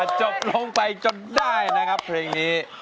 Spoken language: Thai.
จบลงไปจนได้นะครับเพลงนี้